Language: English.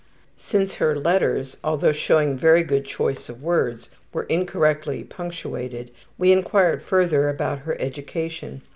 Since her letters, although showing very good choice of words, were incorrectly punctuated, we inquired further about her education.